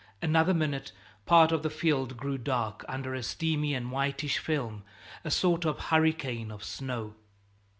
Another minute, part of the field grew dark under a steamy and whitish film, a sort of hurricane of snow.